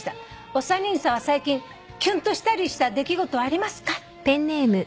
お三人さんは最近キュンとしたりした出来事ありますか？」